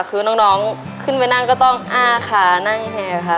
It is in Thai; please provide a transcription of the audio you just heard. คือน้องขึ้นไปนั่งก็ต้องอ้าค่ะนั่งแห่ค่ะ